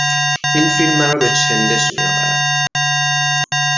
این فیلم مرا به چندش میآورد.